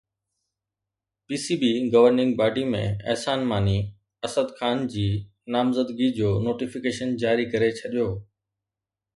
P C B governing body ۾ Ehsan Mani Asad Khan جي نامزدگي جو نوٽيفڪيشن جاري ڪري ڇڏيو